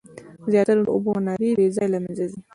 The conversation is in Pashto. زیاتره د اوبو منابع بې ځایه له منځه ځي.